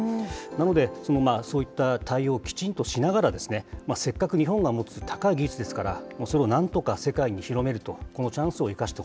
なので、そういった対応をきちんとしながら、せっかく日本が持つ高い技術ですから、それをなんとか世界に広めると、このチャンスそうですね。